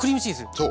そう。